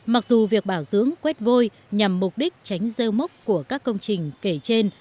mặc dù việc bảo dưỡng quét vôi nhằm mục đích tránh rêu mốc của các công trình kể trên